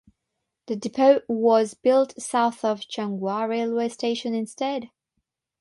The depot was built south of Changhua railway station instead.